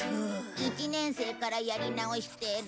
１年生からやり直してる。